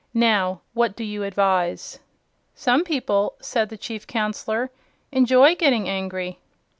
Now, what do you advise?" "Some people," said the Chief Counselor, "enjoy getting angry."